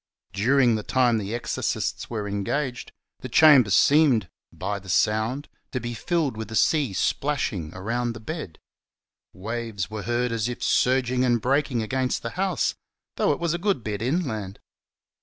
During the time the exorcists were engaged, the chamber seemed — by the sound — to be filled with the sea splashing around the bed ; waves were heard as if surging and breaking against the house, though it was a good bit inland.